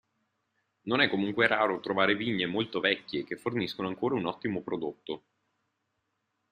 Non è comunque raro trovare vigne molto vecchie che forniscono ancora un ottimo prodotto.